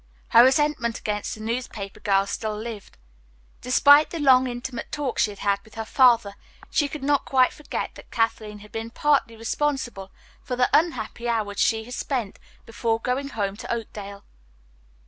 Her resentment against the newspaper girl still lived. Despite the long, intimate talk she had with her father, she could not quite forget that Kathleen had been partly responsible for the unhappy hours she had spent before going home to Oakdale.